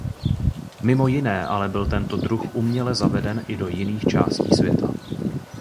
Mimo jiné ale byl tento druh uměle zaveden i do jiných částí světa.